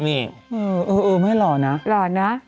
นี่เออไม่หล่อนะหล่อนะ